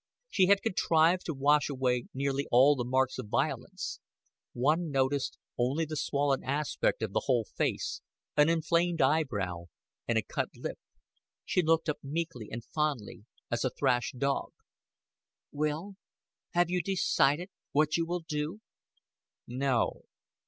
She had contrived to wash away nearly all the marks of violence: one noticed only the swollen aspect of the whole face, an inflamed eyebrow, and a cut lip. She looked up meekly and fondly as a thrashed dog. "Will, have you decided what you will do?" "No."